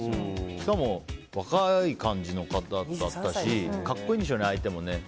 しかも若い感じの方だったし格好いいんでしょうね、相手も。